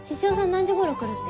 何時頃来るって？